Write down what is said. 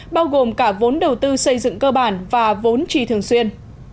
bao gồm cả vốn đầu tư xây dựng cơ bản và vốn trì thường xuyên